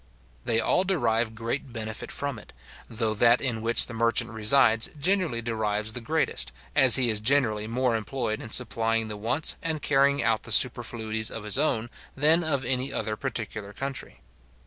They all derive great benefit from it, though that in which the merchant resides generally derives the greatest, as he is generally more employed in supplying the wants, and carrying out the superfluities of his own, than of any other particular country.